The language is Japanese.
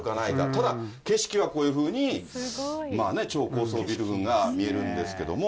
ただ、景色はこういうふうに、超高層ビル群が見えるんですけれども。